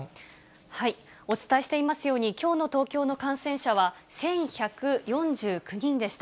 お伝えしていますように、きょうの東京の感染者は１１４９人でした。